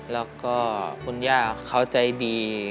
แล้วก็คุณย่าเขาใจดี